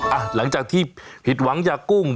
หลังจากที่ผิดหวังยากุ้ง